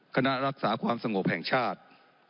คณะรักษาความสงบแห่งชาติ